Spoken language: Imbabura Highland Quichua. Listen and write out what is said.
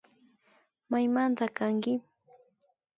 Maymanta kanki